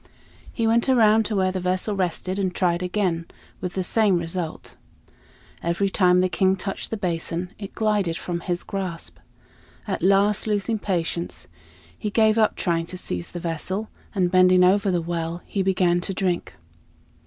He went around to where the vessel rested and tried again, with the same result. Every time the King touched the basin it glided from his grasp. At last, losing patience, he gave up trying to seize the vessel, and bending over the well, he began to drink.